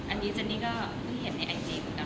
อันนี้เจนนี่ก็เห็นให้แอดจริง